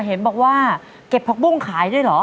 เห็นบอกว่าเก็บผักบุ้งขายด้วยเหรอ